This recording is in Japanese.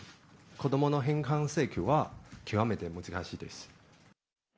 子どもの返還請求は極めて難しいです。